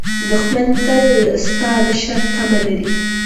دښمن تل ستا د شر تمه لري